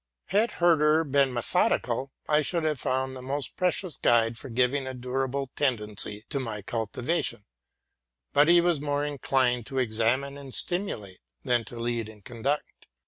Had Herder been methodical, I should have found the most precious guide for giving a durable tendency to my cultiva tion; but he was more inclined to examine and stimulate than to lead and conduct.